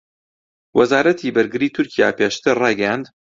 وەزارەتی بەرگریی تورکیا پێشتر ڕایگەیاند